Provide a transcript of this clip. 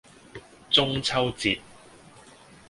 中秋節